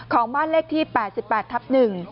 ของบ้านเลขที่๘๘ทับ๑